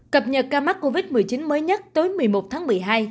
cập nhật ca mắc covid một mươi chín mới nhất tối một mươi một tháng một mươi hai